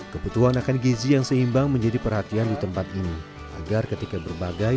kebutuhan akan gizi yang seimbang menjadi perhatian di tempat ini agar ketika berbagai